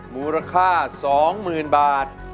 มูลค่าสองหมื่นบาท